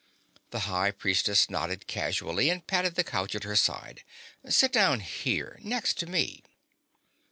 The High Priestess nodded casually and patted the couch at her side. "Sit down here, next to me."